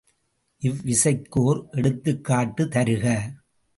இவ்விசைக்கு ஓர் எடுத்துக்காட்டு தருக.